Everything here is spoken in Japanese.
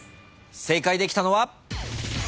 正解できたのは。